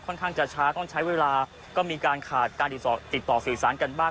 ข้างจะช้าต้องใช้เวลาก็มีการขาดการติดต่อติดต่อสื่อสารกันบ้าง